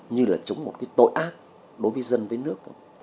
như là chống một cái tội ác đối với dân với nước